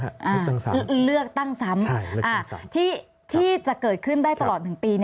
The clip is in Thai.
เลือกตั้งซ้ำเลือกตั้งซ้ำที่จะเกิดขึ้นได้ตลอด๑ปี